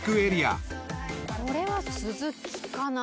これは鈴木かなぁ。